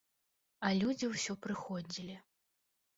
А людзі ўсё прыходзілі.